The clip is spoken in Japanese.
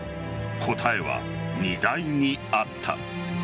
答えは荷台にあった。